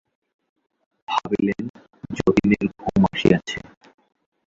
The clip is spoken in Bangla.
ভাবিলেন, যতীনের ঘুম আসিয়াছে।